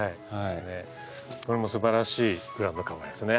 これもすばらしいグラウンドカバーですね。